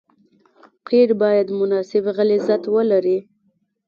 قیر باید مناسب غلظت ولري